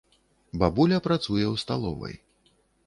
Бабуля працуе ў сталовай.